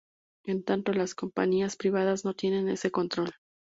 En tanto las compañías privadas no tienen ese control.